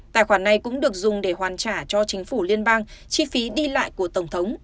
tài khoản này cũng được dùng để hoàn trả cho chính phủ liên bang chi phí đi lại của tổng thống